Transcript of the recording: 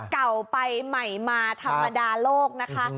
เก่าไปใหม่มาธรรมดาโลกนะคะ